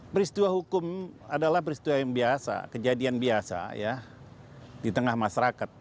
peristiwa hukum adalah peristiwa yang biasa kejadian biasa ya di tengah masyarakat